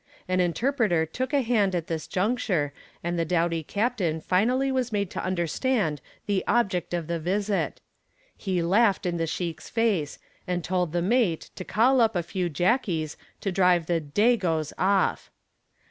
An interpreter took a hand at this juncture and the doughty captain finally was made to understand the object of the visit. He laughed in the sheik's face and told the mate to call up a few jackies to drive the "dagoes" off.